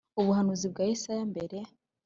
Ubuhanuzi bwa Yesaya mbere